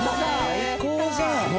最高じゃん！